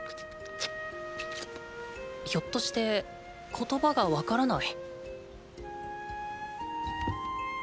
ひょっとして言葉がわからない？